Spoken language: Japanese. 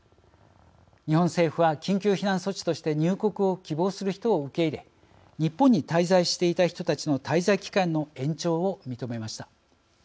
日本政府は緊急避難措置として入国を希望する人を受け入れ日本に滞在していた人たちの滞在期間の延長を認めました。